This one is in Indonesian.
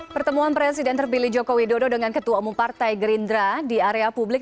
pertemuan presiden terpilih joko widodo dengan ketua umum partai gerindra di area publik